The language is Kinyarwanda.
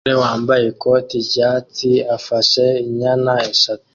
Umugore wambaye ikoti ryatsi afashe inyana eshatu